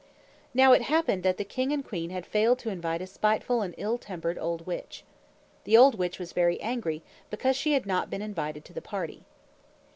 Now it happened that the king and queen had failed to invite a spiteful and ill tempered old witch. The old witch was very angry, because she had not been invited to the party.